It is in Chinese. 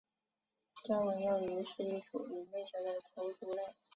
雕纹鱿鱼是一属已灭绝的头足类。